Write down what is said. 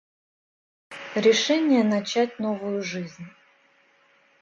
Решение начать новую жизнь.